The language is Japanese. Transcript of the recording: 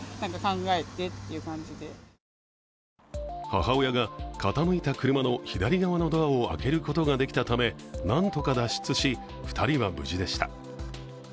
母親が傾いた車の左側のドアを開けることができたため、なんとか脱出し、２人は無事でした。